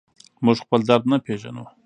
موږ خپل درد نه پېژنو.